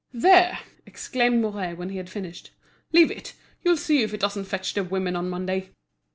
"There!" exclaimed Mouret when he had finished, "Leave it; you'll see if it doesn't fetch the women on Monday."